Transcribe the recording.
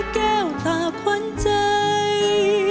แก้วผ่าขวัญใจ